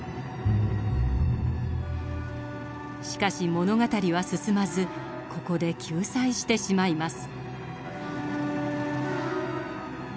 しかし物語は進まずここで休載してしまいます。